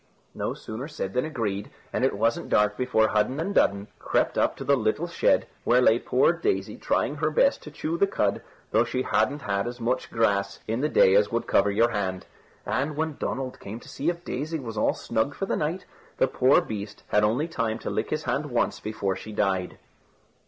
No sooner said than agreed, and it wasn't dark before Hudden and Dudden crept up to the little shed where lay poor Daisy trying her best to chew the cud, though she hadn't had as much grass in the day as would cover your hand. And when Donald came to see if Daisy was all snug for the night, the poor beast had only time to lick his hand once before she died.